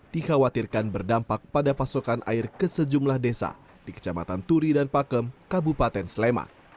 dikhawatirkan berdampak pada pasokan air ke sejumlah desa di kecamatan turi dan pakem kabupaten sleman